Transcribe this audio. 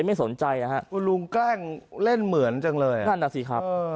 ไม่สนใจนะฮะคุณลุงแกล้งเล่นเหมือนจังเลยนั่นน่ะสิครับ